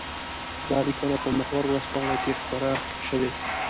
دا لیکنه په محور ورځپاڼه کې خپره شوې.